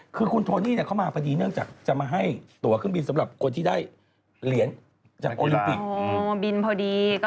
คือคุณโทนี่เข้ามาพอดีเนื่องจากจะมาให้ตัวเครื่องบินสำหรับคนที่ได้เหรียญจากโอลิมปิก